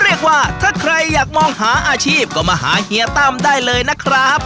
เรียกว่าถ้าใครอยากมองหาอาชีพก็มาหาเฮียตั้มได้เลยนะครับ